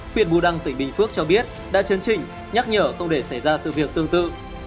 huyện bù đăng tỉnh bình phước cho biết đã chấn chỉnh nhắc nhở không để xảy ra sự việc tương tự